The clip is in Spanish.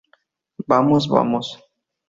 ¡ vamos! ¡ vamos!